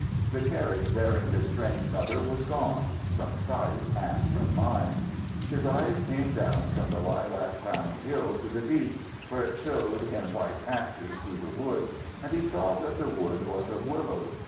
The carriage bearing his strange mother was gone, from sight and from mind. His eyes came down from the lilac crowned hill to the beach, where it showed in white patches through the wood, and he saw that the wood was of willows.